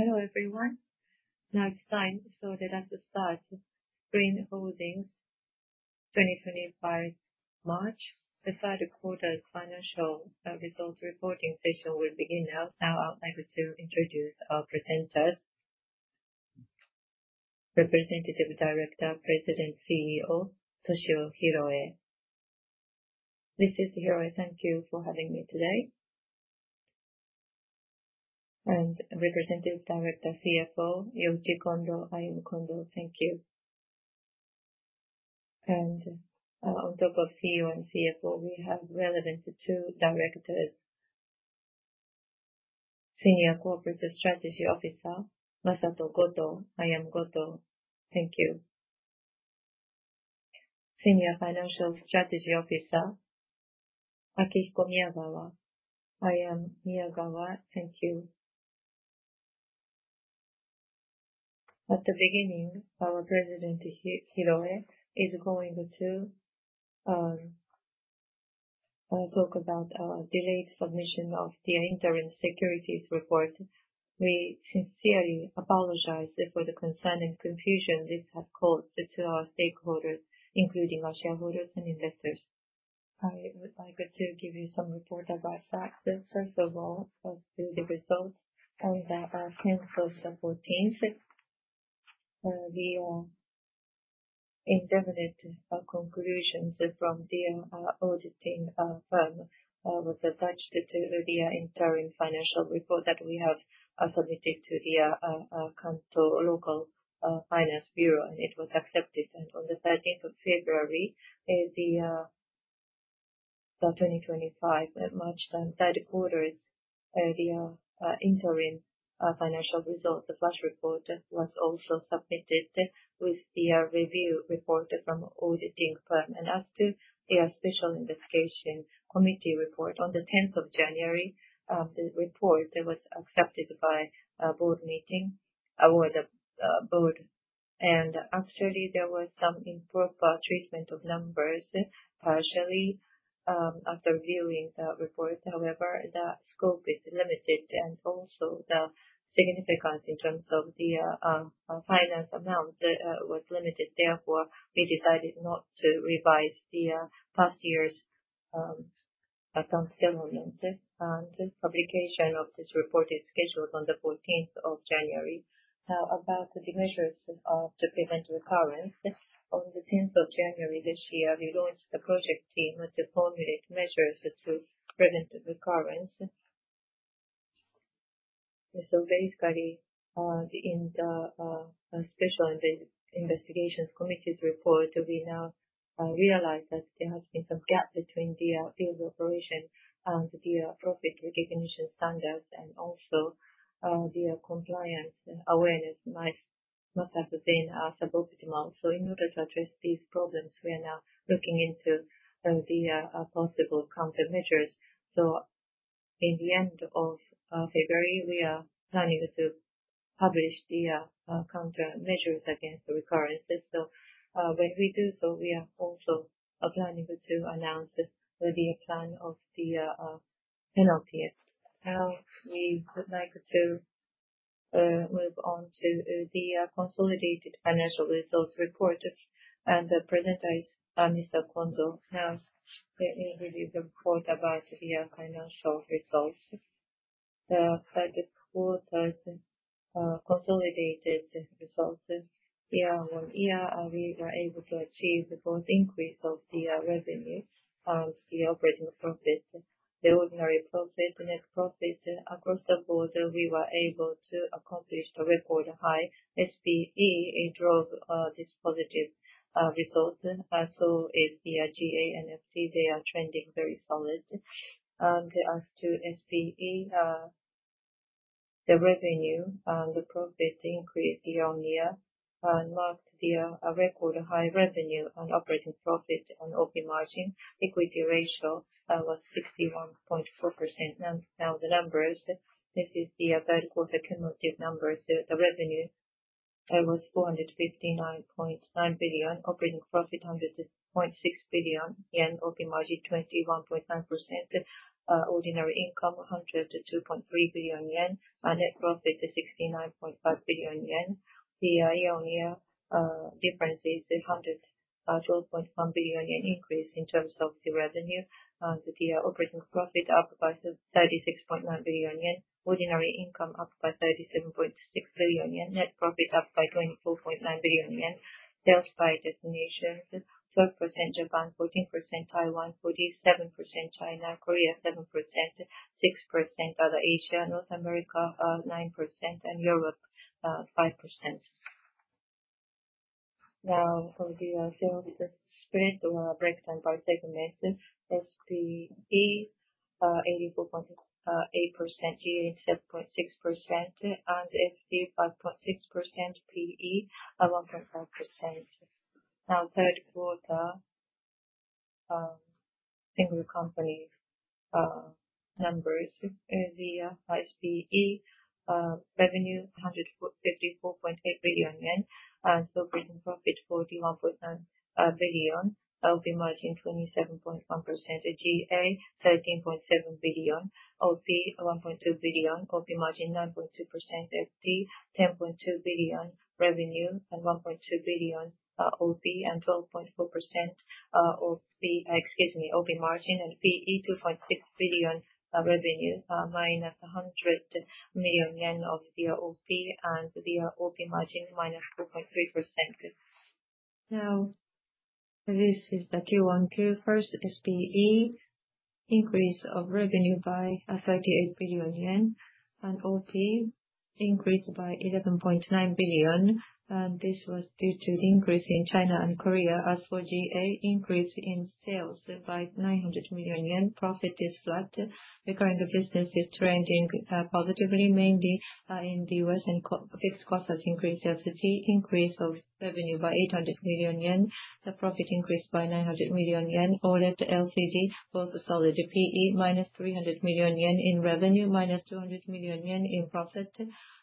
Hello everyone. Now it's time, so let us start. SCREEN Holdings 2025 March third quarter's financial results reporting session will begin now. Now I would like to introduce our presenters: Representative Director, President, CEO, Toshio Hiroe. Mr. Hiroe. Thank you for having me today. And Representative Director, CFO, Yoichi Kondo. I am Kondo. Thank you. And on top of CEO and CFO, we have relevant two directors: Senior Corporate Strategy Officer, Masato Goto. I am Goto. Thank you. Senior Financial Strategy Officer, Akihiko Miyagawa. I am Miyagawa. Thank you. At the beginning, our President, Hiroe, is going to talk about our delayed submission of the interim securities report. We sincerely apologize for the concern and confusion this has caused to our stakeholders, including shareholders and investors. I would like to give you some report of the facts. First of all, the results are from October 14th. The independent conclusions from the audit was attached to the interim financial report that we have submitted to the local finance bureau, and it was accepted, and on the 13th of February, the 2025 March third quarter's interim financial results flash report was also submitted with the review report from audit firm, and as to the special investigation committee report, on the 10th of January, the report was accepted by board meeting or board, and actually, there was some improper treatment of numbers partially after viewing the report. However, the scope is limited, and also the significance in terms of the financial amount was limited. Therefore, we decided not to revise the past year's account settlement, and publication of this report is scheduled on the 14th of January. Now, about the measures to prevent recurrence. On the 10th of January this year, we launched the project team to formulate measures to prevent recurrence. So basically, in the special investigations committee's report, we now realize that there has been some gap between the field operation and the profit recognition standards, and also the compliance awareness must have been suboptimal. So in order to address these problems, we are now looking into the possible countermeasures. So in the end of February, we are planning to publish the countermeasures against recurrences. So when we do so, we are also planning to announce the plan of the NLPF. Now, we would like to move on to the consolidated financial results report. And the presenter, Mr. Kondo, has reviewed the report about the financial results. The third quarter's consolidated results, year-on-year, we were able to achieve both increase of the revenue and the operating profit. The ordinary profit and net profit across the board, we were able to accomplish the record high SPE. It drove these positive results. So is the GA and FT; they are trending very solid, and as to SPE, the revenue and the profit increased year-on-year and marked the record high revenue and operating profit and OP margin. Equity ratio was 61.4%. Now, the numbers, this is the third quarter cumulative numbers. The revenue was 459.9 billion, operating profit 100.6 billion yen, OP margin 21.9%, ordinary income 102.3 billion yen, and net profit 69.5 billion yen. The year-on-year difference is 112.1 billion yen increase in terms of the revenue, and the operating profit up by 36.9 billion yen, ordinary income up by 37.6 billion yen, net profit up by 24.9 billion yen. Sales by destinations: 12% Japan, 14% Taiwan, 47% China, Korea 7%, 6% other Asia, North America 9%, and Europe 5%. Now, for the sales spread or breakdown by segments, SPE 84.8%, GA 7.6%, and FT 5.6%, PE 1.5%. Now, third quarter single company numbers. The SPE revenue 154.8 billion yen, and operating profit 41.9 billion, OP margin 27.1%, GA 13.7 billion, OP 1.2 billion, OP margin 9.2%, FT 10.2 billion revenue, and 1.2 billion OP, and 12.4% OP margin, and PE 2.6 billion revenue, -100 million yen of the OP, and the OP margin -4.3%. Now, this is the QoQ SPE increase of revenue by 38 billion yen, and OP increased by 11.9 billion. This was due to the increase in China and Korea. As for GA, increase in sales by 900 million yen, profit is flat. The current business is trending positively, mainly in the US, and fixed cost has increased. LCD increase of revenue by 800 million yen, the profit increased by 900 million yen. OLED LCD, both solid. PE -300 million yen in revenue, -200 million yen in profit.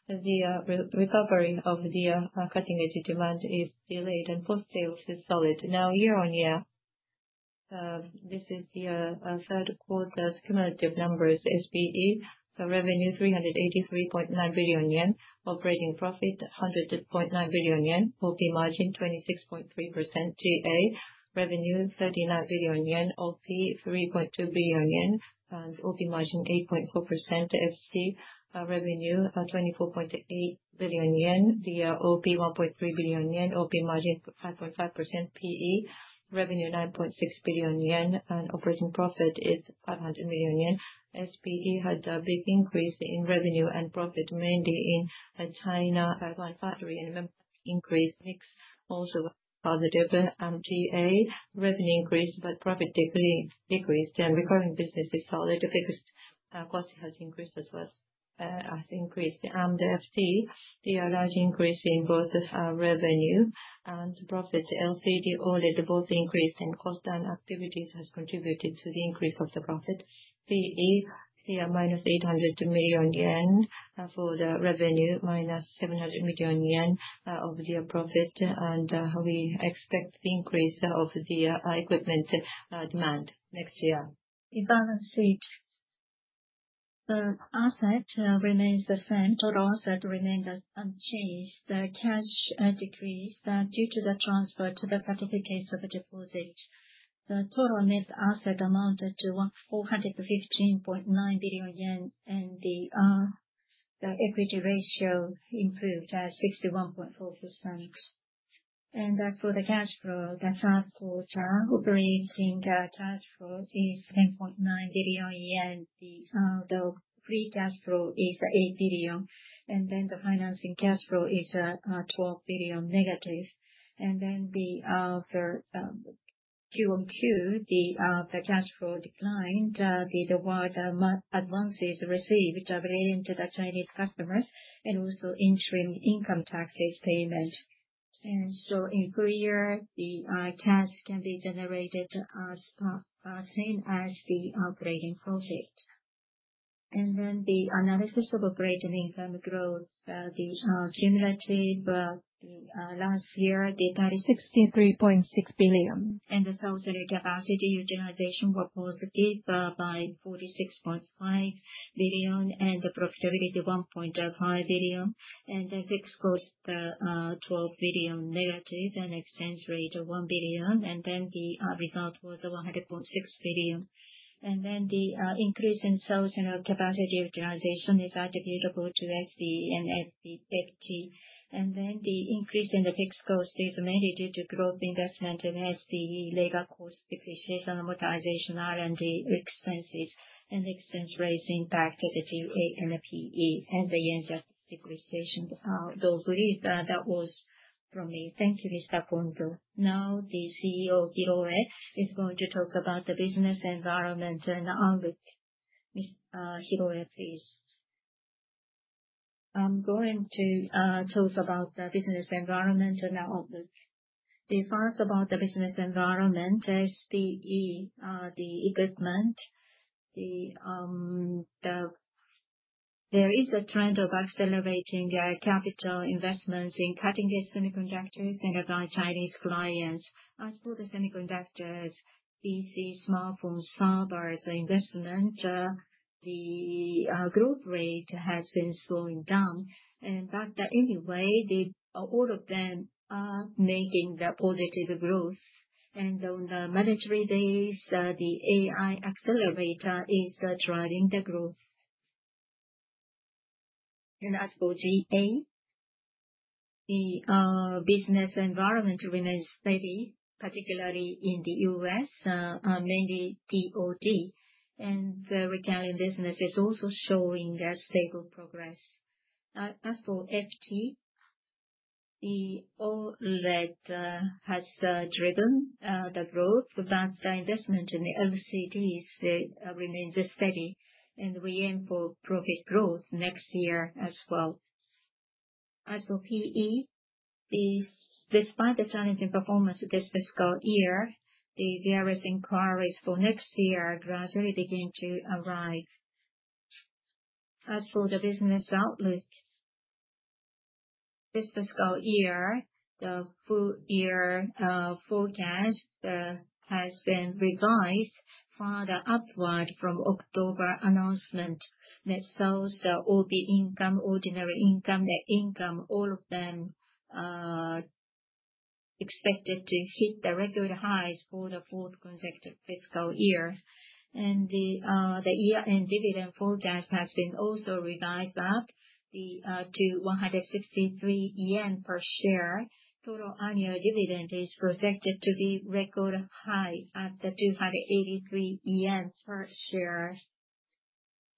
The recovery of the cutting-edge demand is delayed, and post-sales is solid. Now, year-on-year, this is the third quarter's cumulative numbers. SPE revenue 383.9 billion yen, operating profit 100.9 billion yen, OP margin 26.3%. GA revenue 39 billion yen, OP 3.2 billion yen, and OP margin 8.4%. FT revenue 24.8 billion yen, the OP 1.3 billion yen, OP margin 5.5%. PE revenue 9.6 billion yen, and operating profit is 500 million yen. SPE had a big increase in revenue and profit, mainly in China. By 1.3%, increase mixed also positive. GA revenue increased, but profit decreased, and recurring business is solid. Fixed cost has increased as well as increased. And FT, there are large increases in both revenue and profit. LCD OLED both increased, and cost and activities has contributed to the increase of the profit. PE, here -800 million yen for the revenue, -700 million yen of the profit, and we expect the increase of the equipment demand next year. The balance sheet, the asset remains the same. Total asset remained unchanged. The cash decreased due to the transfer to the certificates of deposit. The total net asset amounted to 415.9 billion yen, and the equity ratio improved at 61.4%. And for the cash flow, the third quarter operating cash flow is 10.9 billion yen. The free cash flow is 8 billion, and then the financing cash flow is 12 billion negative. And then, in the Q1Q, the cash flow declined the award advances received relating to the Chinese customers, and also interim income taxes payment. And so, in full year, the cash can be generated as much as the operating profit. And then, the analysis of operating income growth: the cumulative last year [was] 36.6 billion. And the sales and capacity utilization were positive by 46.5 billion, and the profitability 1.5 billion, and the fixed cost 12 billion-, and expense rate of 1 billion, and then the result was 100.6 billion. And then, the increase in sales and capacity utilization is attributable to SPE and FT. And then, the increase in the fixed cost is mainly due to growth investment in SPE, labor cost, depreciation, amortization, R&D expenses, and expense rates impacted [by] GA and PE, and the yen [depreciation]. So, I believe that was from me. Thank you, Mr. Kondo. Now, the CEO Hiroe is going to talk about the business environment and outlook. Ms. Hiroe, please. I'm going to talk about the business environment and outlook. First, about the business environment, SPE, the equipment, there is a trend of accelerating capital investments in cutting-edge semiconductors and by Chinese clients. As for the semiconductors, PC, smartphone, servers, investment, the growth rate has been slowing down, and but anyway, all of them are making the positive growth, and on the memory devices, the AI accelerator is driving the growth, and as for GA, the business environment remains steady, particularly in the U.S., mainly POD. And the recurring business is also showing a stable progress. As for FT, the OLED has driven the growth, but the investment in the LCDs remains steady, and we aim for profit growth next year as well. As for PE, despite the challenging performance this fiscal year, the various inquiries for next year gradually begin to arrive. As for the business outlook, this fiscal year, the full year forecast has been revised further upward from October announcement. The sales, the Operating income, ordinary income, net income, all of them expected to hit the record highs for the fourth consecutive fiscal year, and the year-end dividend forecast has been also revised up to 163 yen per share. Total annual dividend is projected to be record high at 283 yen per share.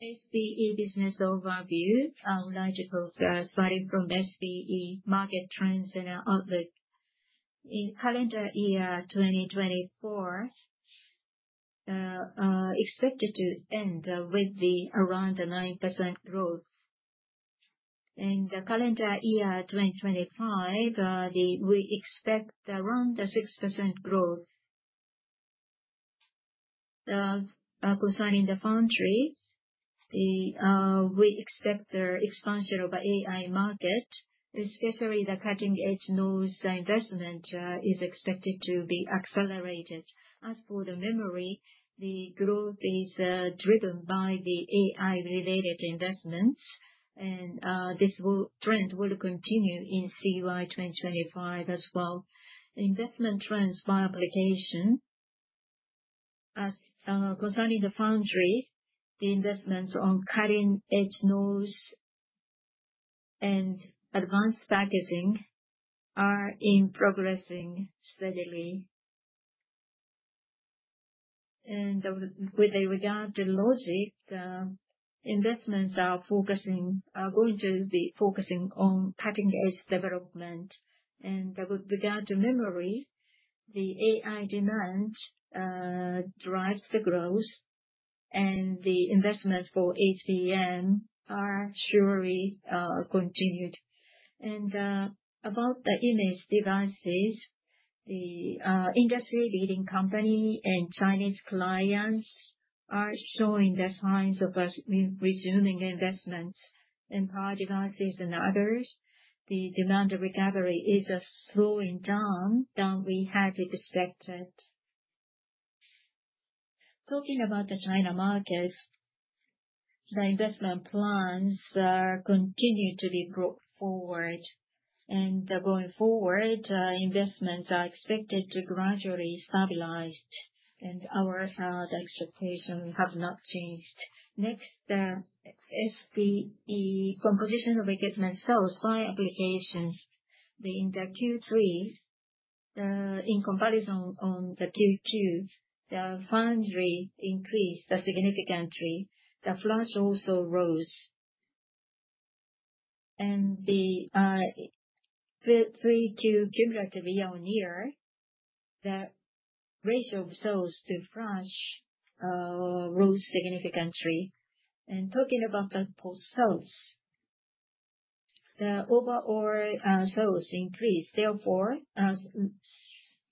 SPE business overview, I'll start from SPE market trends and outlook. In calendar year 2024, expected to end with around 9% growth. In the calendar year 2025, we expect around 6% growth. Concerning the foundry, we expect the expansion of the AI market, especially the cutting-edge node investment is expected to be accelerated. As for the memory, the growth is driven by the AI-related investments, and this trend will continue in CY 2025 as well. Investment trends by application. Concerning the foundry, the investments in cutting-edge nodes and advanced packaging are progressing steadily, and with regard to logic, the investments are going to be focusing on cutting-edge development, and with regard to memory, the AI demand drives the growth, and the investments for HBM are surely continued, and about the image devices, the industry-leading company and Chinese clients are showing the signs of resuming investments in power devices and others. The demand recovery is slowing down more than we had expected. Talking about the China markets, the investment plans continue to be brought forward, and going forward, investments are expected to gradually stabilize, and our expectations have not changed. Next, SPE composition of equipment sales by applications. The Q3, in comparison on the Q2, the foundry increased significantly. The flash also rose. And the Q3Q cumulative year-on-year, the ratio of sales to flash rose significantly. And talking about the post-sales, the overall sales increased. Therefore, the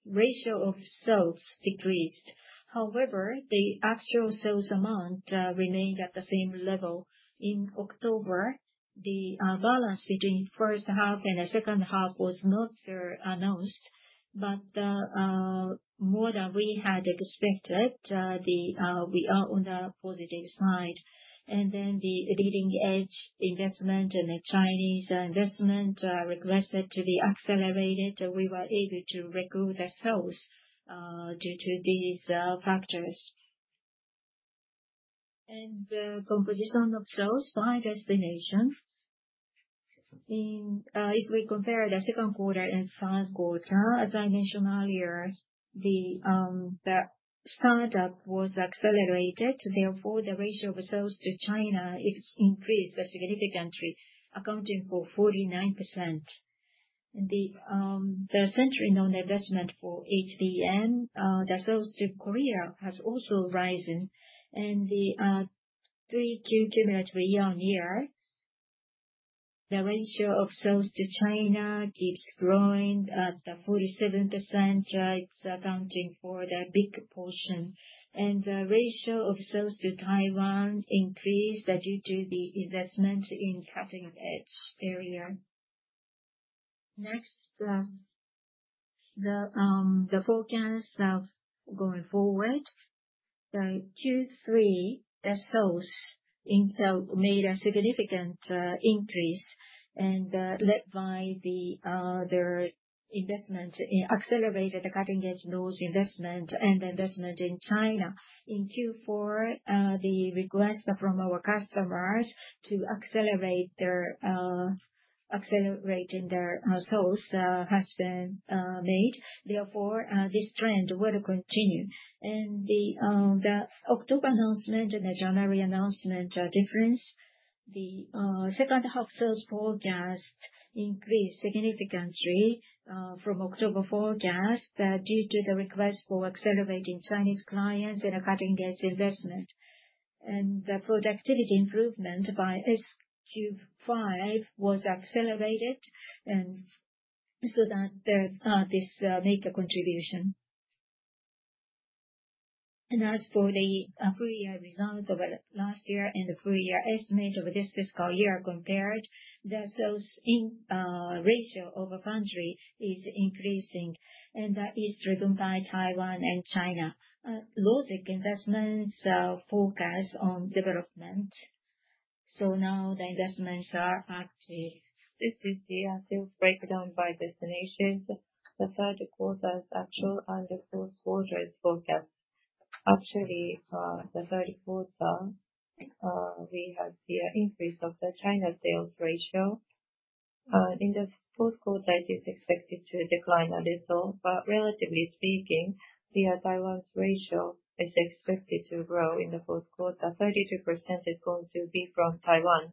ratio of sales decreased. However, the actual sales amount remained at the same level. In October, the balance between first half and the second half was not announced, but more than we had expected, we are on the positive side. And then the leading-edge investment and the Chinese investment requested to be accelerated. We were able to record the sales due to these factors. And the composition of sales by destination. If we compare the second quarter and third quarter, as I mentioned earlier, the startup was accelerated. Therefore, the ratio of sales to China increased significantly, accounting for 49%. And the semiconductor investment for HBM, the sales to Korea has also risen. And the Q3Q cumulative year-on-year, the ratio of sales to China keeps growing at 47%. It's accounting for the big portion. And the ratio of sales to Taiwan increased due to the investment in cutting-edge area. Next, the forecast of going forward, Q3, the sales made a significant increase. And led by the investment, accelerated the cutting-edge nodes investment and investment in China. In Q4, the request from our customers to accelerate their sales has been made. Therefore, this trend will continue. And the October announcement and the January announcement difference, the second half sales forecast increased significantly from October forecast due to the request for accelerating Chinese clients and cutting-edge investment. And the productivity improvement by S-Cube 5 was accelerated so that this makes a contribution. As for the full year results of last year and the full year estimate of this fiscal year compared, the sales ratio of a foundry is increasing, and that is driven by Taiwan and China. Logic investments focus on development. Now the investments are active. This is the sales breakdown by destination. The third quarter's actual and the fourth quarter's forecast. Actually, the third quarter, we have the increase of the China sales ratio. In the fourth quarter, it is expected to decline a little, but relatively speaking, the Taiwan's ratio is expected to grow in the fourth quarter. 32% is going to be from Taiwan.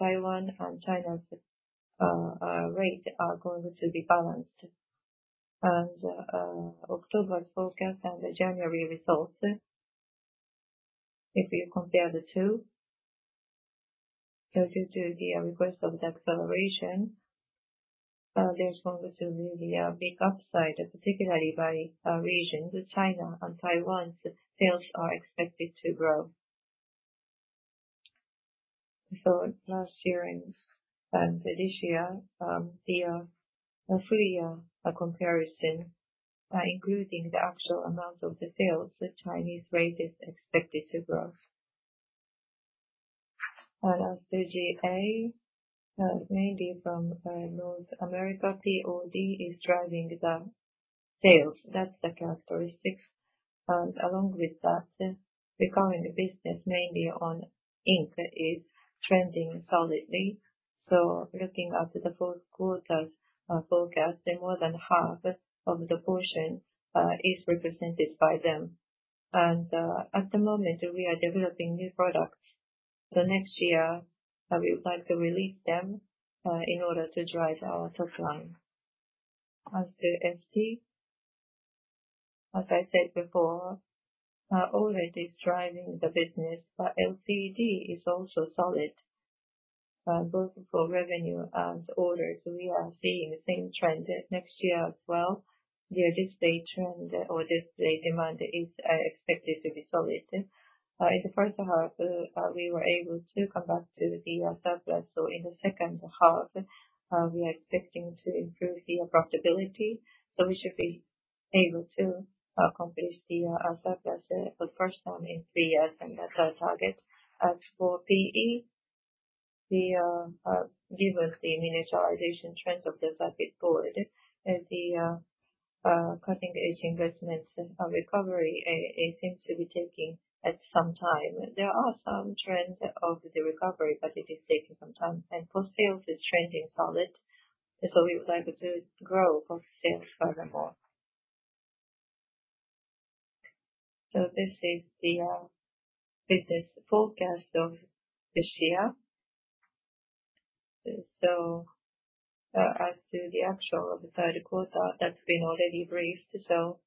Taiwan and China's rate are going to be balanced. October's forecast and the January results, if you compare the two, due to the request of the acceleration, there's going to be a big upside, particularly by regions. China and Taiwan's sales are expected to grow, so last year and this year, the full year comparison, including the actual amount of the sales, Chinese rate is expected to grow. And as for GA, mainly from North America, DoD is driving the sales. That's the characteristic, and along with that, becoming a business mainly on ink is trending solidly, so looking at the fourth quarter's forecast, more than half of the portion is represented by them, and at the moment, we are developing new products. So next year, we would like to release them in order to drive our top line. As for FT, as I said before, OLED is driving the business, but LCD is also solid, both for revenue and orders. We are seeing the same trend next year as well. Their display trend or display demand is expected to be solid. In the first half, we were able to come back to the surplus. So in the second half, we are expecting to improve the profitability. So we should be able to accomplish the surplus for the first time in three years and that's our target. As for PE, given the miniaturization trend of the circuit board, the cutting-edge investment recovery seems to be taking some time. There are some trends of the recovery, but it is taking some time. And post-sales is trending solid. So we would like to grow post-sales furthermore. So this is the business forecast of this year. So as to the actual third quarter, that's been already briefed. So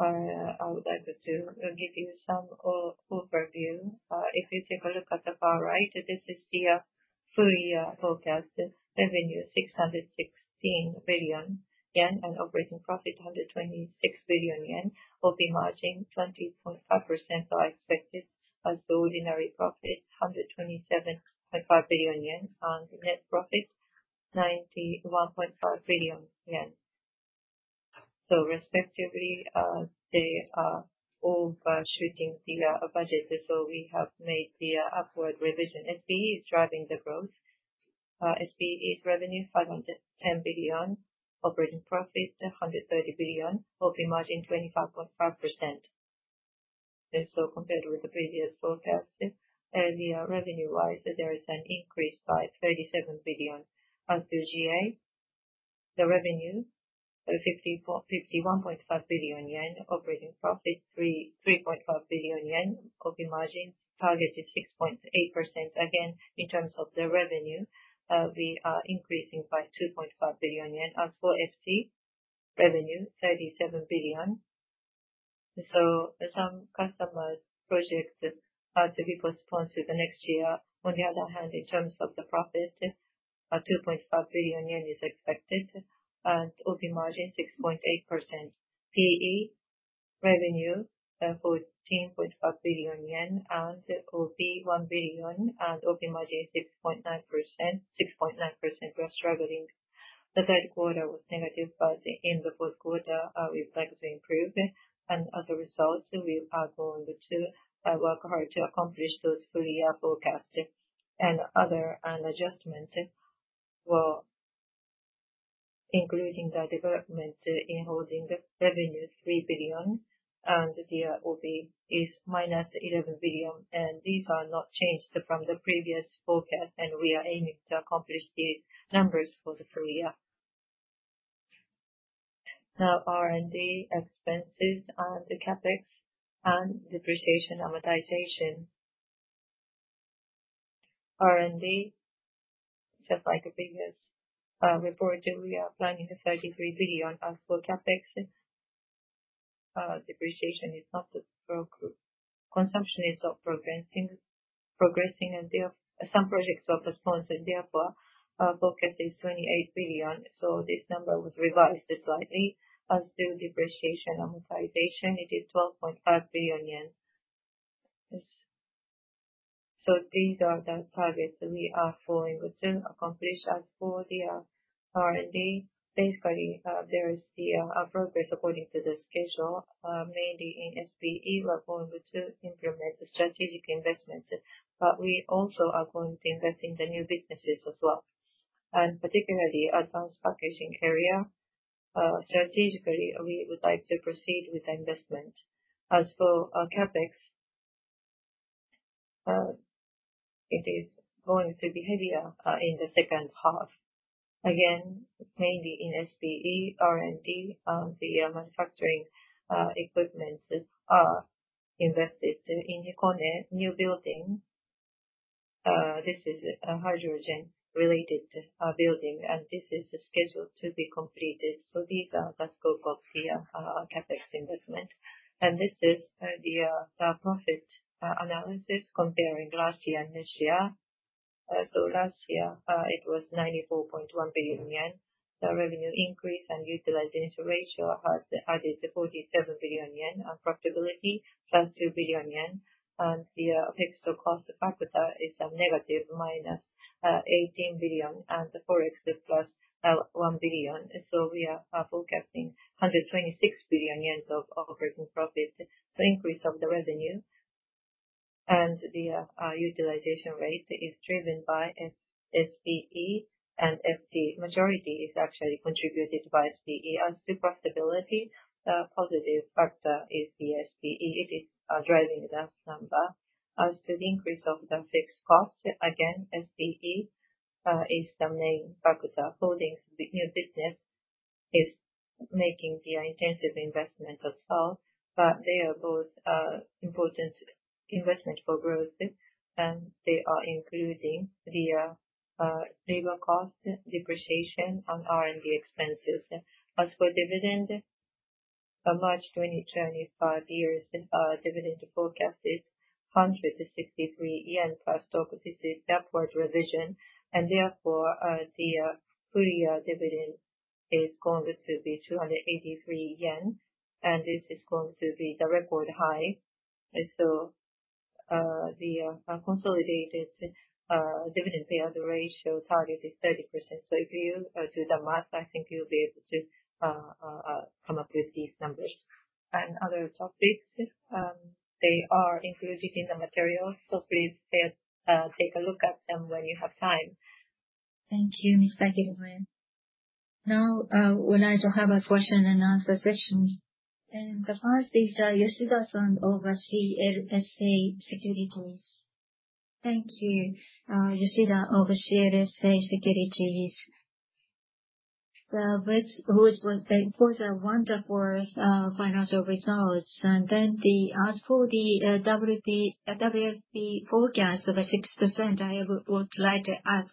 I would like to give you some overview. If you take a look at the far right, this is the full year forecast. Revenue is 616 billion yen and operating profit 126 billion yen. OP margin is 20.5% or expected as the ordinary profit, 127.5 billion yen, and net profit 91.5 billion yen. So respectively, they are overshooting the budget. So we have made the upward revision. SPE is driving the growth. SPE's revenue is 510 billion. Operating profit is 130 billion. OP margin is 25.5%. And so compared with the previous forecast, revenue-wise, there is an increase by 37 billion. As to GA, the revenue is 51.5 billion yen. Operating profit is 3.5 billion yen. OP margin target is 6.8%. Again, in terms of the revenue, we are increasing by 2.5 billion yen. As for FT, revenue is 37 billion. So some customer projects are to be postponed to the next year. On the other hand, in terms of the profit, 2.5 billion yen is expected, and OP margin is 6.8%. PE revenue is JPY 14.5 billion, and OP is 1 billion, and OP margin is 6.9%. We are struggling. The third quarter was negative, but in the fourth quarter, we would like to improve. As a result, we are going to work hard to accomplish those full year forecasts and other adjustments, including the development in holding revenue of 3 billion, and the OP is -11 billion. These are not changed from the previous forecast, and we are aiming to accomplish these numbers for the full year. Now, R&D expenses and CapEx and depreciation and amortization. R&D, just like the previous report, we are planning 33 billion. As for CapEx, depreciation is not progressing. Some projects were postponed. Therefore, the forecast is 28 billion. So this number was revised slightly. As to depreciation and amortization, it is JPY 12.5 billion. These are the targets we are going to accomplish. As for the R&D, basically, there is the progress according to the schedule. Mainly in SPE, we are going to implement the strategic investments, but we also are going to invest in the new businesses as well. Particularly advanced packaging area, strategically, we would like to proceed with the investment. As for CapEx, it is going to be heavier in the second half. Again, mainly in SPE, R&D, and the manufacturing equipment are invested in Hikone, new building. This is a hydrogen-related building, and this is scheduled to be completed. These are the scope of the CapEx investment. This is the profit analysis comparing last year and this year. Last year, it was 94.1 billion yen. The revenue increase and utilization ratio has added 47 billion yen and profitability +2 billion yen. The fixed costs capital is negative -18 billion, and the forex is +1 billion. We are forecasting 126 billion yen of operating profit. Increase of the revenue and the utilization rate is driven by SPE and FT. Majority is actually contributed by SPE. As to profitability, the positive factor is the SPE. It is driving the last number. As to the increase of the fixed cost, again, SPE is the main factor. FT in new business is making the intensive investment as well, but they are both important investments for growth, and they are including the labor cost, depreciation, and R&D expenses. As for dividend, March 2025 year's dividend forecast is 163 yen per share. This is the upward revision. And therefore, the full year dividend is going to be 283 yen, and this is going to be the record high. So the consolidated dividend payout ratio target is 30%. So if you do the math, I think you'll be able to come up with these numbers. And other topics, they are included in the materials. Feel free to take a look at them when you have time. Thank you, Ms. Hiroe. Now, we'll have a question-and-answer session. And the first is Yoshida-san of CLSA Securities. Thank you, Yoshida of CLSA Securities. The quarter wonderful financial results. And then as for the WFE forecast of 6%, I would like to ask,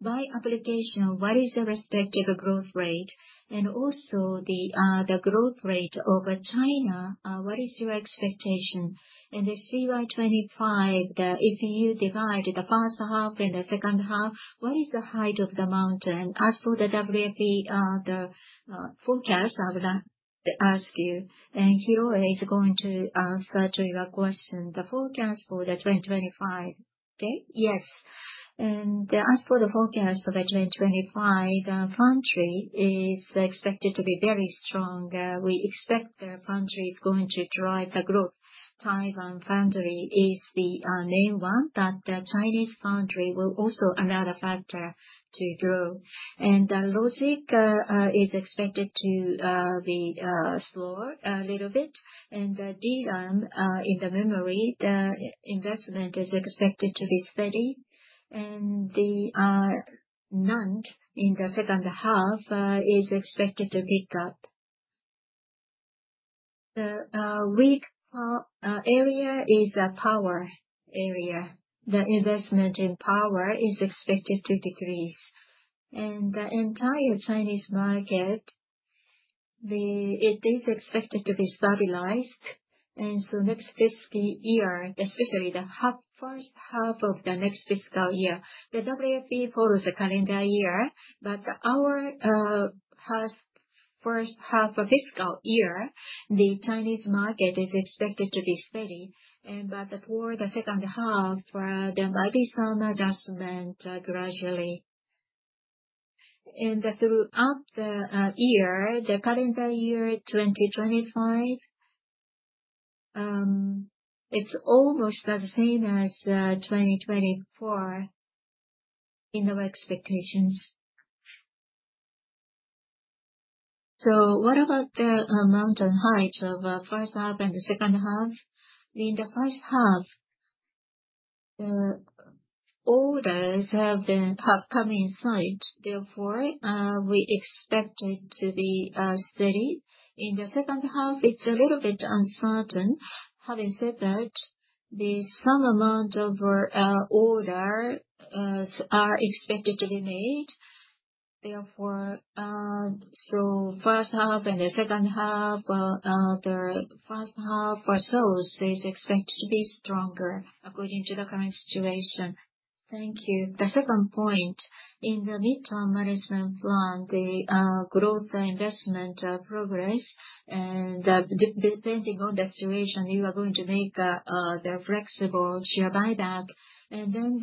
by application, what is the respective growth rate? And also the growth rate over China, what is your expectation? And the CY 2025, if you divide the first half and the second half, what is the height of the mountain? As for the WFE, the forecast, I would like to ask you. Hiroe is going to answer to your question. The forecast for the 2025, okay? Yes. As for the forecast for the 2025, the foundry is expected to be very strong. We expect the foundry is going to drive the growth. Taiwan Foundry is the main one, but the Chinese foundry will also be another factor to grow. The logic is expected to be slow a little bit. The DRAM in the memory, the investment is expected to be steady. The NAND in the second half is expected to pick up. The weak area is the power area. The investment in power is expected to decrease. The entire Chinese market, it is expected to be stabilized. Next fiscal year, especially the first half of the next fiscal year, the WFE follows a calendar year, but our first half of fiscal year, the Chinese market is expected to be steady. For the second half, there might be some adjustment gradually. Throughout the year, the calendar year 2025, it's almost the same as 2024 in our expectations. What about the magnitude of the first half and the second half? In the first half, the orders have come into sight. Therefore, we expect it to be steady. In the second half, it's a little bit uncertain. Having said that, the sum amount of orders are expected to be the same. Therefore, so first half and the second half, the first half or so is expected to be stronger according to the current situation. Thank you. The second point, in the mid-term management plan, the growth investment progress, and depending on the situation, you are going to make the flexible share buyback. And then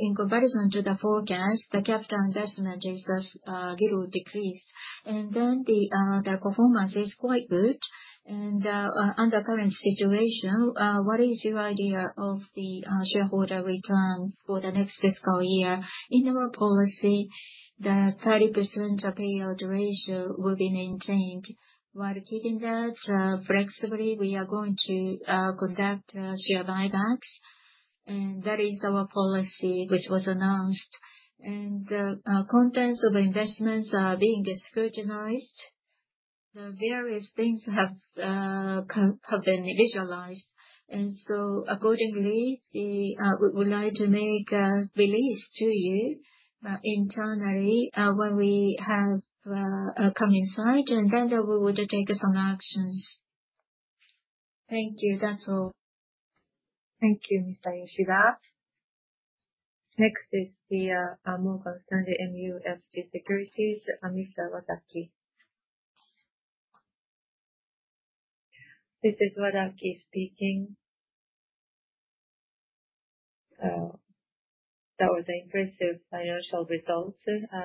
in comparison to the forecast, the capital investment is a little decreased. And then the performance is quite good. And under current situation, what is your idea of the shareholder return for the next fiscal year? In our policy, the 30% payout ratio will be maintained. While keeping that flexible, we are going to conduct share buybacks. And that is our policy, which was announced. And the contents of investments are being scrutinized. The various things have been visualized. And so accordingly, we would like to make a release to you internally when we have come inside, and then we would take some actions. Thank you. That's all. Thank you, Mr. Yoshida. Next is the Morgan Stanley MUFG Securities, Mr. Wadaki. This is Wadaki speaking. That was an impressive financial result.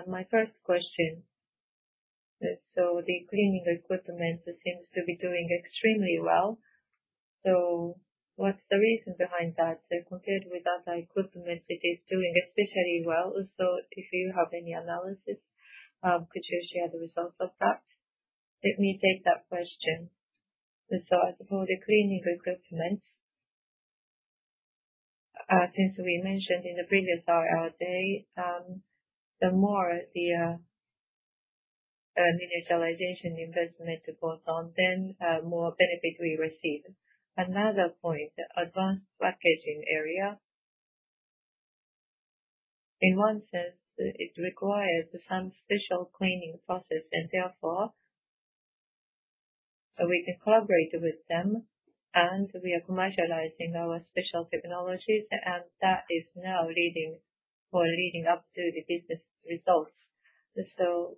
My first question, so the cleaning equipment seems to be doing extremely well. So what's the reason behind that? Compared with other equipment, it is doing especially well. So if you have any analysis, could you share the results of that? Let me take that question. So as for the cleaning equipment, since we mentioned in the previous hour, the more the miniaturization investment goes on, then more benefit we receive. Another point, advanced packaging area. In one sense, it requires some special cleaning process, and therefore, we can collaborate with them, and we are commercializing our special technologies, and that is now leading or leading up to the business results. So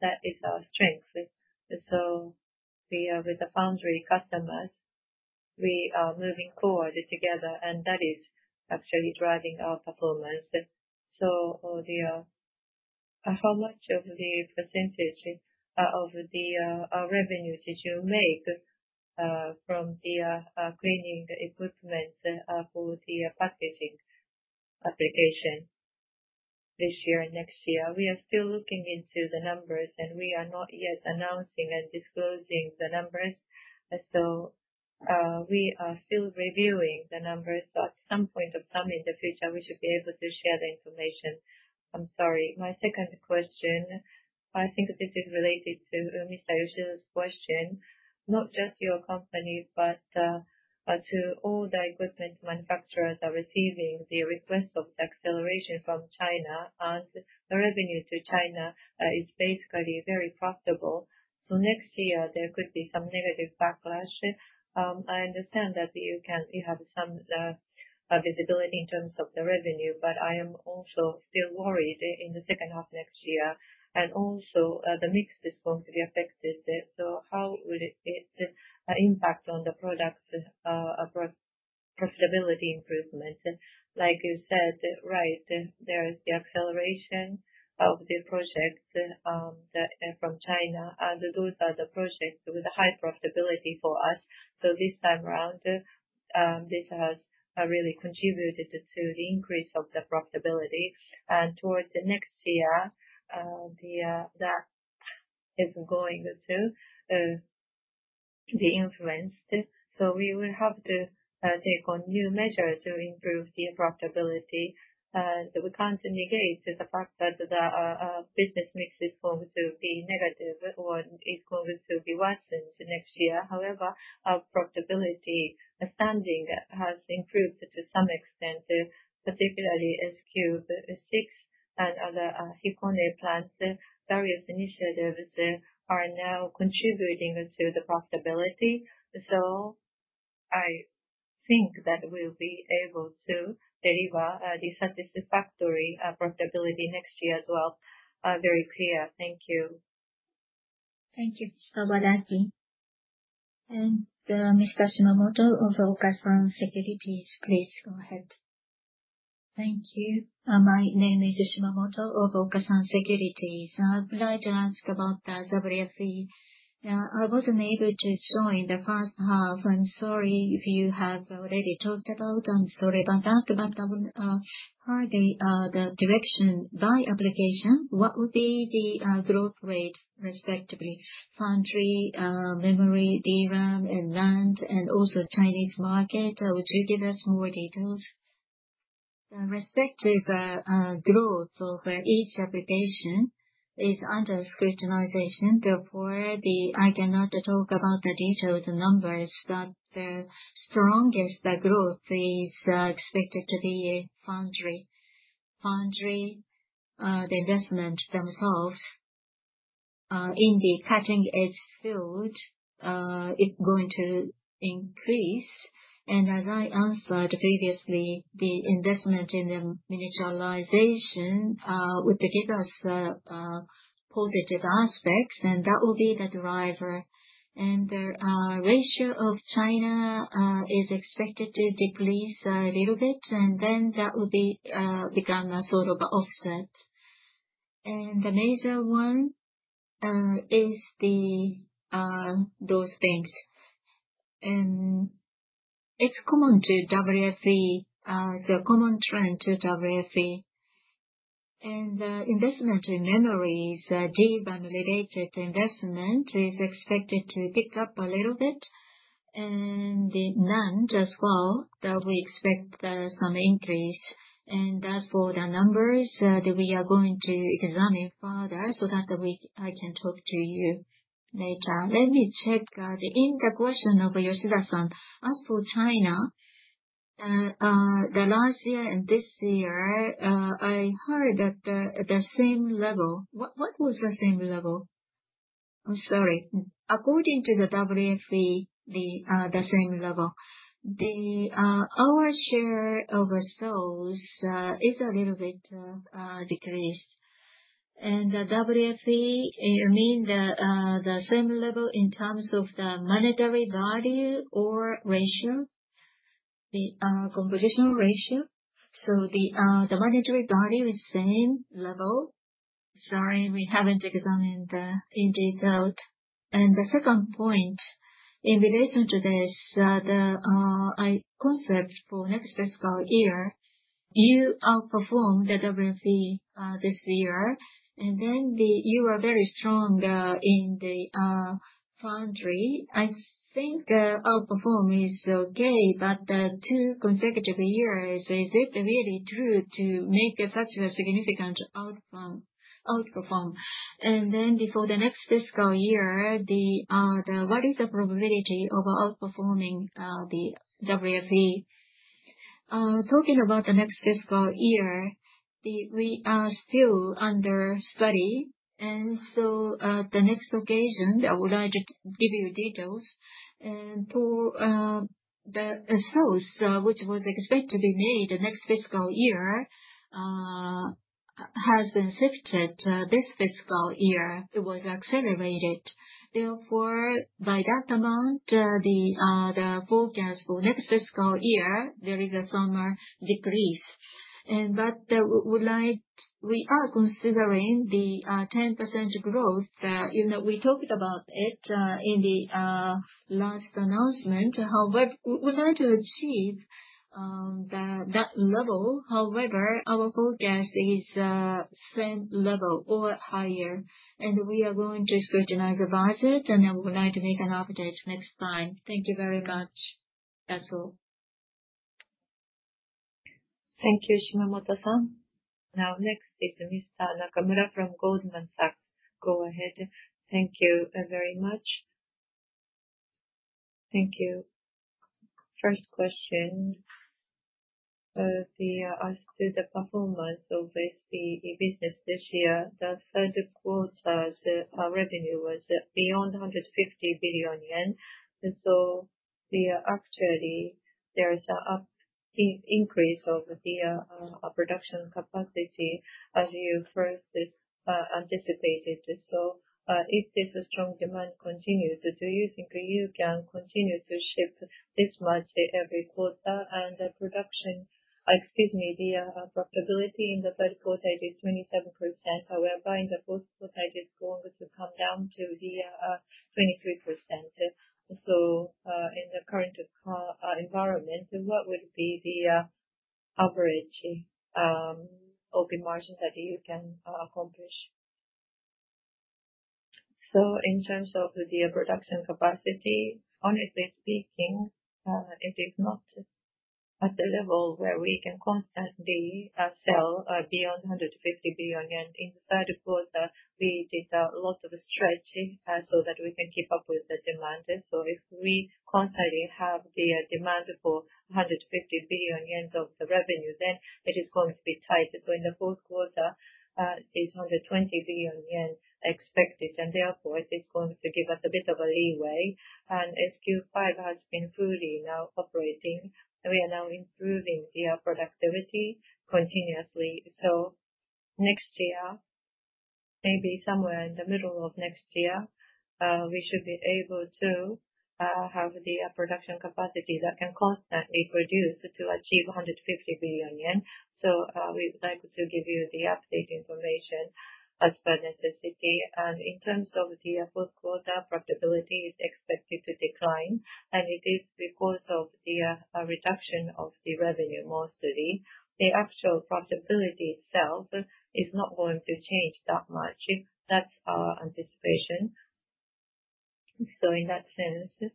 that is our strength. So we are with the foundry customers. We are moving forward together, and that is actually driving our performance. So how much of the percentage of the revenue did you make from the cleaning equipment for the packaging application this year and next year? We are still looking into the numbers, and we are not yet announcing and disclosing the numbers. So we are still reviewing the numbers. So at some point of time in the future, we should be able to share the information. I'm sorry. My second question, I think this is related to Mr. Yoshida's question, not just your company, but to all the equipment manufacturers are receiving the request of the acceleration from China, and the revenue to China is basically very profitable. So next year, there could be some negative backlash. I understand that you have some visibility in terms of the revenue, but I am also still worried in the second half next year. And also, the mix is going to be affected. So how will it impact on the product profitability improvement? Like you said, right, there is the acceleration of the project from China, and those are the projects with a high profitability for us. So this time around, this has really contributed to the increase of the profitability. And towards the next year, that is going to be influenced. So we will have to take on new measures to improve the profitability. We can't negate the fact that the business mix is going to be negative or is going to be worsened next year. However, our profitability standing has improved to some extent, particularly S-Cube 6 and other Hikone plants. Various initiatives are now contributing to the profitability. So I think that we'll be able to deliver the satisfactory profitability next year as well. Very clear. Thank you. Thank you, Mr. Wadaki. And Mr. Shimamoto of Okasan Securities, please go ahead. Thank you. My name is Shimamoto of Okasan Securities. I'd like to ask about the WFE. I wasn't able to join the first half. I'm sorry if you have already talked about. I'm sorry about that. But how the direction by application, what would be the growth rate, respectively, foundry, memory, DRAM, and NAND, and also Chinese market? Would you give us more details? The respective growth of each application is under scrutiny. Therefore, I cannot talk about the detailed numbers, but the strongest growth is expected to be foundry. Foundry, the investment themselves in the cutting-edge field, it's going to increase. And as I answered previously, the investment in the miniaturization would give us positive aspects, and that will be the driver. And the ratio of China is expected to decrease a little bit, and then that will become a sort of offset. The major one is those things. It's common to WFE, it's a common trend to WFE. The investment in memories, DRAM-related investment is expected to pick up a little bit. The NAND as well, we expect some increase. As for the numbers, we are going to examine further so that I can talk to you later. Let me check in the question of Yoshida-san. As for China, the last year and this year, I heard that the same level. What was the same level? I'm sorry. According to the WFE, the same level. The our share of those is a little bit decreased. The WFE, I mean the same level in terms of the monetary value or ratio, the compositional ratio. So the monetary value is same level. Sorry, we haven't examined in detail. And the second point, in relation to this, the concept for next fiscal year, you outperformed the WFE this year. And then you were very strong in the foundry. I think outperform is okay, but two consecutive years, is it really true to make such a significant outperform? And then before the next fiscal year, what is the probability of outperforming the WFE? Talking about the next fiscal year, we are still under study. And so at the next occasion, I would like to give you details. And for the sales, which was expected to be made the next fiscal year, has been shifted this fiscal year. It was accelerated. Therefore, by that amount, the forecast for next fiscal year, there is a somewhat decrease. But we are considering the 10% growth. We talked about it in the last announcement. However, we would like to achieve that level. However, our forecast is same level or higher. We are going to scrutinize the budget, and then we would like to make an update next time. Thank you very much. That's all. Thank you, Shimamoto-san. Now, next is Mr. Nakamura from Goldman Sachs. Go ahead. Thank you very much. Thank you. First question, as to the performance of the business this year, the third quarter's revenue was beyond 150 billion yen. So actually, there is an increase of the production capacity, as you first anticipated. So if this strong demand continues, do you think you can continue to ship this much every quarter? And production, excuse me, the profitability in the third quarter is 27%. However, in the fourth quarter, it is going to come down to 23%. So in the current environment, what would be the average operating margin that you can accomplish? So in terms of the production capacity, honestly speaking, it is not at the level where we can constantly sell beyond 150 billion. In the third quarter, we did a lot of stretching so that we can keep up with the demand. So if we constantly have the demand for 150 billion yen of the revenue, then it is going to be tight. So in the fourth quarter, it's 120 billion yen expected. And therefore, it is going to give us a bit of a leeway. And SQ5 has been fully now operating. We are now improving the productivity continuously. So next year, maybe somewhere in the middle of next year, we should be able to have the production capacity that can constantly produce to achieve 150 billion yen. So we would like to give you the updated information as per necessity. In terms of the fourth quarter, profitability is expected to decline. It is because of the reduction of the revenue mostly. The actual profitability itself is not going to change that much. That's our anticipation. In that sense,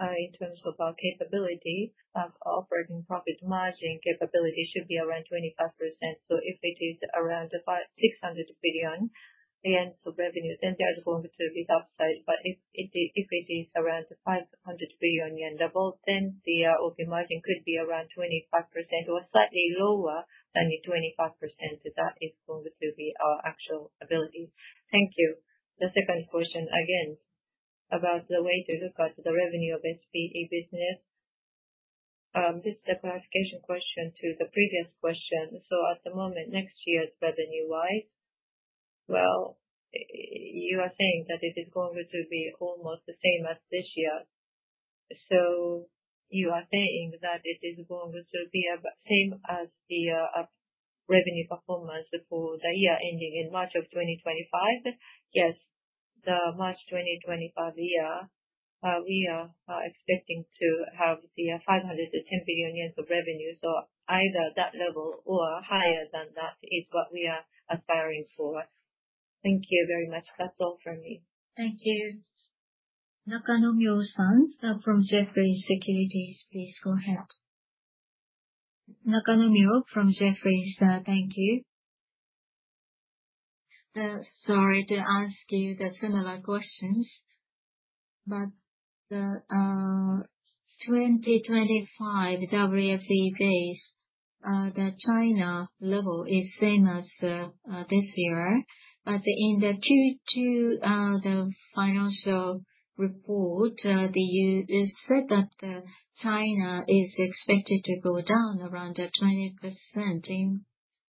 in terms of our capability, our operating profit margin capability should be around 25%. If it is around 600 billion JPY of revenue, then there's going to be the upside. If it is around 500 billion yen level, then the open margin could be around 25% or slightly lower than the 25% that is going to be our actual ability. Thank you. The second question again about the way to look at the revenue of SPE business. This is a clarification question to the previous question. At the moment, next year's revenue-wise, well, you are saying that it is going to be almost the same as this year. So you are saying that it is going to be the same as the revenue performance for the year ending in March of 2025? Yes. The March 2025 year, we are expecting to have 510 billion yen of revenue. So either that level or higher than that is what we are aspiring for. Thank you very much. That's all from me. Thank you. Nakanomyo-san from Jefferies, please go ahead. Nakanomyo from Jefferies, thank you. Sorry to ask you the similar questions, but the 2025 WFE base, the China level is same as this year. But in the Q2, the financial report, it said that China is expected to go down around 20%,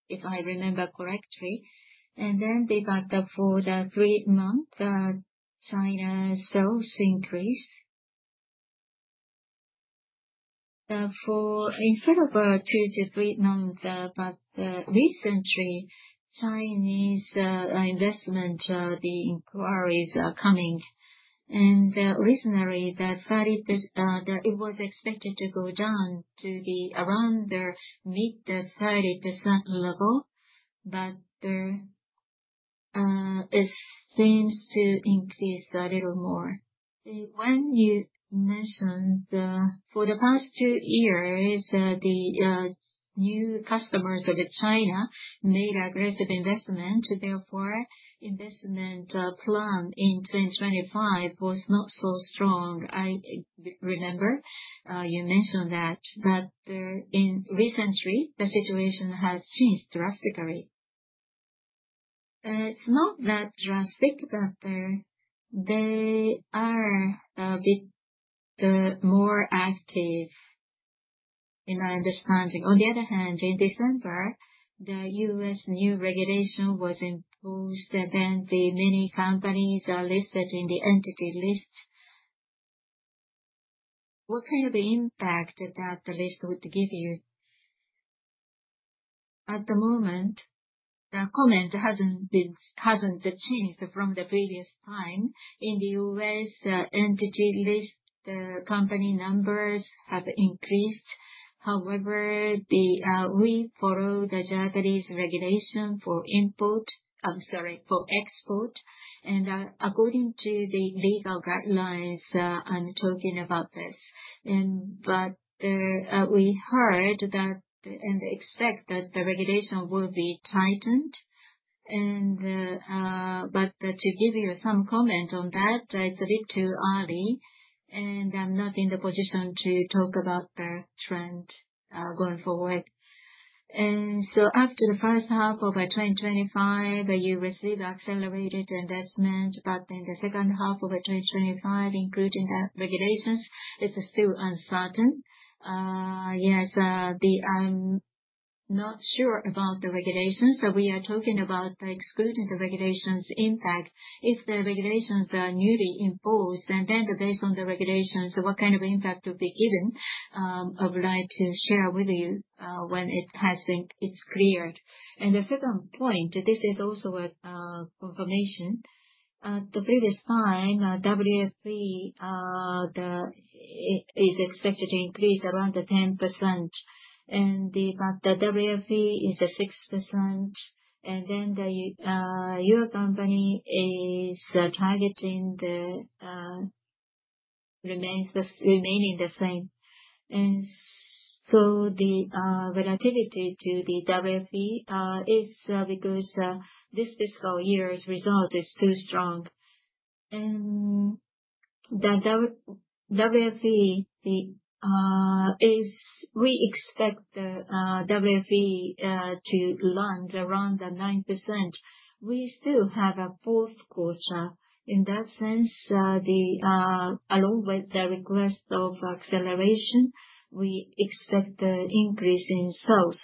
if I remember correctly. And then for the three-month China sales increase. For instead of two to three months, but recently, Chinese investment, the inquiries are coming. And originally, it was expected to go down to be around the mid-30% level, but it seems to increase a little more. When you mentioned for the past two years, the new customers of China made aggressive investment. Therefore, investment plan in 2025 was not so strong. I remember you mentioned that, but recently, the situation has changed drastically. It's not that drastic, but they are a bit more active in my understanding. On the other hand, in December, the U.S. new regulation was imposed, then the many companies are listed in the Entity List. What kind of impact did that list give you? At the moment, the comment hasn't changed from the previous time. In the U.S., Entity List company numbers have increased. However, we follow the Japanese regulation for import, I'm sorry, for export. And according to the legal guidelines, I'm talking about this. But we heard that and expect that the regulation will be tightened. But to give you some comment on that, it's a bit too early, and I'm not in the position to talk about the trend going forward. And so after the first half of 2025, you receive accelerated investment, but in the second half of 2025, including the regulations, it's still uncertain. Yes, I'm not sure about the regulations. We are talking about excluding the regulations' impact. If the regulations are newly imposed, and then based on the regulations, what kind of impact will be given, I would like to share with you when it has been cleared. And the second point, this is also a confirmation. The previous time, WFE is expected to increase around 10%, but the WFE is 6%, and then the US company is targeting the remaining the same. And so the relatively to the WFE is because this fiscal year's result is too strong. And the WFE, we expect the WFE to land around 9%. We still have a fourth quarter. In that sense, along with the request of acceleration, we expect the increase in sales.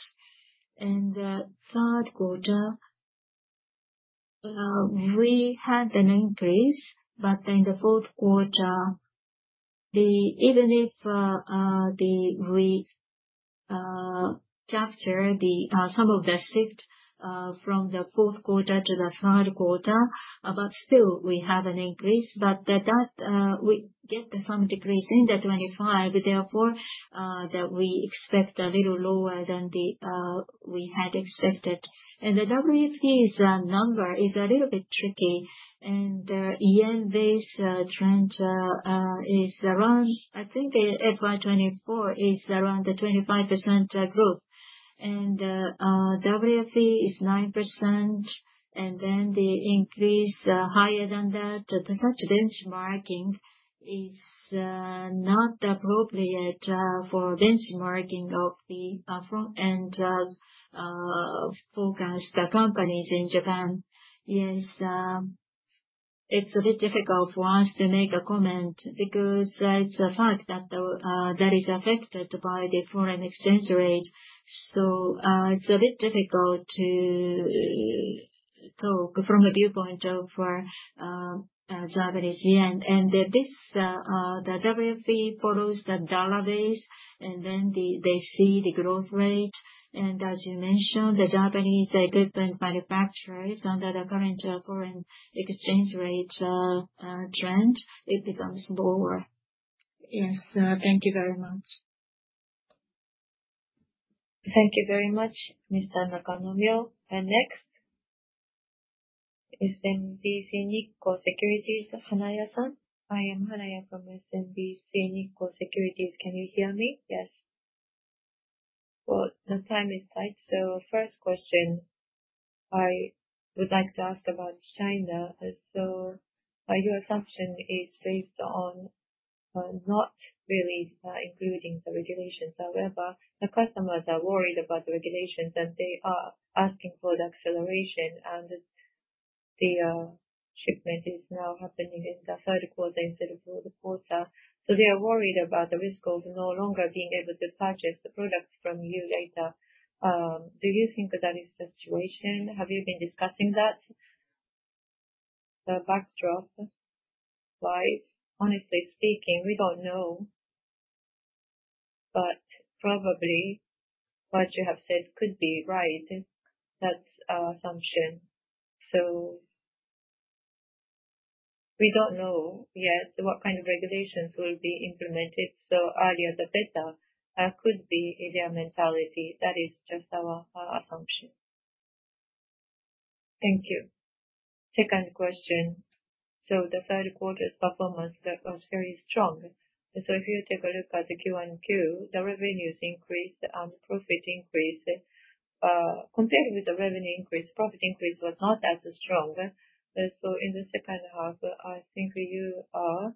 And the third quarter, we had an increase, but in the fourth quarter, even if we capture some of the shift from the fourth quarter to the third quarter, but still we have an increase, but we get some decrease in the 25. Therefore, we expect a little lower than we had expected. And the WFE's number is a little bit tricky. And the yen-based trend is around, I think FY24 is around 25% growth. WFE is 9%, and then the increase higher than that. Such benchmarking is not appropriate for benchmarking of the front-end focused companies in Japan. Yes, it's a bit difficult for us to make a comment because it's a fact that that is affected by the foreign exchange rate. So it's a bit difficult to talk from a viewpoint of Japanese yen. And the WFE follows the dollar base, and then they see the growth rate. And as you mentioned, the Japanese equipment manufacturers, under the current foreign exchange rate trend, it becomes lower. Yes, thank you very much. Thank you very much, Mr. Nakanomyo. And next is SMBC Nikko Securities, Hanaya-san. I am Hanaya from SMBC Nikko Securities. Can you hear me? Yes. Well, the time is tight. So first question, I would like to ask about China. So your assumption is based on not really including the regulations. However, the customers are worried about the regulations, and they are asking for the acceleration, and the shipment is now happening in the third quarter instead of the fourth quarter. So they are worried about the risk of no longer being able to purchase the products from you later. Do you think that is the situation? Have you been discussing that? The backdrop? Honestly speaking, we don't know, but probably what you have said could be right, that assumption. So we don't know yet what kind of regulations will be implemented. So earlier the better could be their mentality. That is just our assumption. Thank you. Second question. So the third quarter's performance was very strong. So if you take a look at the QoQ, the revenues increased and profit increased. Compared with the revenue increase, profit increase was not as strong, so in the second half, I think you are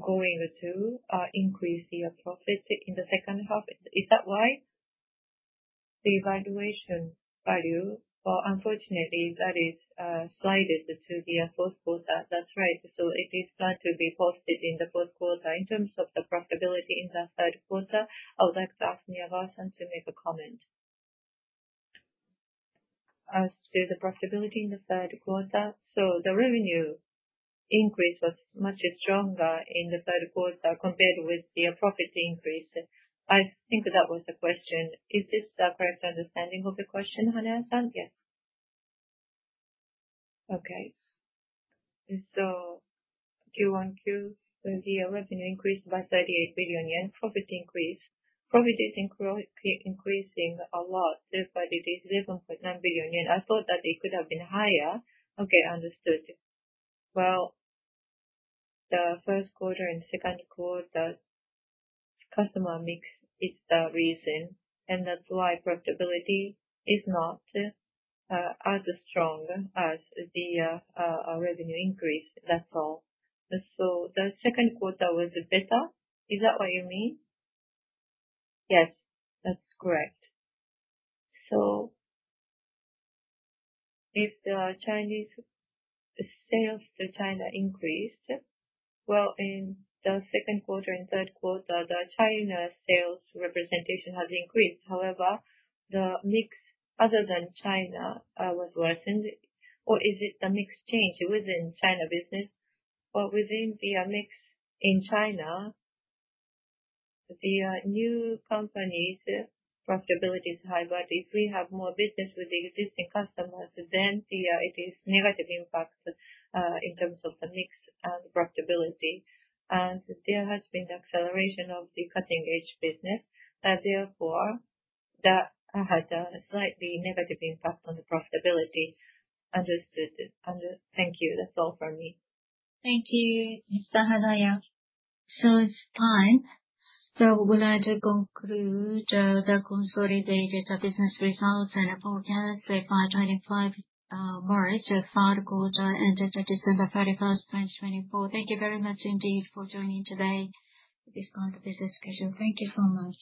going to increase your profit in the second half. Is that why? The evaluation value, well, unfortunately, that is slid to the fourth quarter. That's right, so it is planned to be posted in the fourth quarter. In terms of the profitability in the third quarter, I would like to ask Nakanomyo-san to make a comment. As to the profitability in the third quarter, the revenue increase was much stronger in the third quarter compared with the profit increase. I think that was the question. Is this the correct understanding of the question, Hanaya-san? Yes. Okay. So Q1, the revenue increased by 38 billion yen, profit increase. Profit is increasing a lot, but it is 11.9 billion yen. I thought that it could have been higher. Okay, understood. The first quarter and second quarter, customer mix is the reason, and that's why profitability is not as strong as the revenue increase. That's all. The second quarter was better. Is that what you mean? Yes, that's correct. If the Chinese sales to China increased, in the second quarter and third quarter, the China sales representation has increased. However, the mix other than China was worsened. Or is it the mix change within China business? Within the mix in China, the new companies' profitability is high, but if we have more business with the existing customers, then it is negative impact in terms of the mix and profitability. And there has been acceleration of the cutting-edge business. Therefore, that had a slightly negative impact on the profitability. Understood. Thank you. That's all from me. Thank you, Mr. Hanaya. It's time. So we'll conclude the consolidated business results and forecast by 25 March, third quarter, ending 31st of 2024. Thank you very much indeed for joining today at this point of this discussion. Thank you so much.